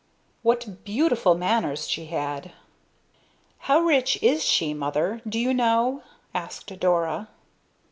"What beautiful manners she had!" "How rich is she, mother? Do you know?" asked Dora.